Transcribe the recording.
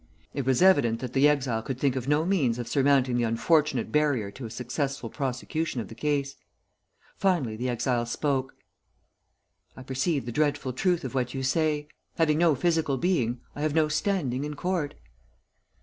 It was evident that the exile could think of no means of surmounting the unfortunate barrier to a successful prosecution of the case. Finally the exile spoke: "I perceive the dreadful truth of what you say. Having no physical being, I have no standing in court."